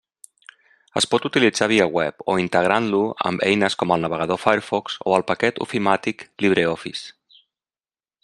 Es pot utilitzar via web o integrant-lo amb eines com el navegador Firefox o el paquet ofimàtic LibreOffice.